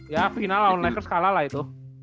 ya final lawan lakers kalah lah itu